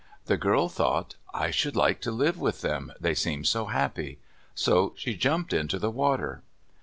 The girl thought, "I should like to live with them, they seem so happy." So she jumped into the water.